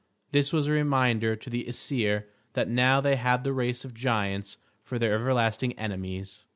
This was a reminder to the Æsir that now they had the race of giants for their everlasting enemies.